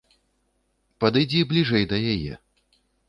Падыдзі бліжэй да яе.